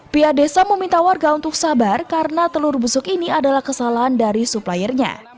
pihak desa meminta warga untuk sabar karena telur busuk ini adalah kesalahan dari suppliernya